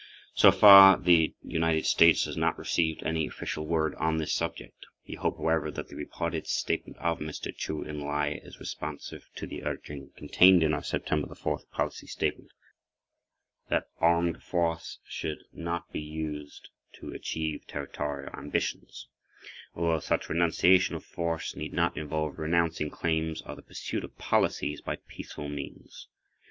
So far the United States has not received any official word on this subject. We hope, however, [pg 7]that the reported statement of Mr. Chou En lai is responsive to the urging, contained in our September 4 policy statement, that "armed force should not be used to achieve territorial ambitions," although such renunciation of force need not involve renouncing claims or the pursuit of policies by peaceful means.